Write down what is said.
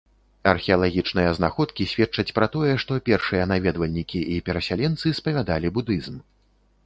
Археалагічныя знаходкі сведчаць пра тое, што першыя наведвальнікі і перасяленцы спавядалі будызм.